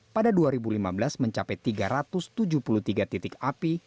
pada dua ribu lima belas mencapai tiga ratus tujuh puluh tiga titik api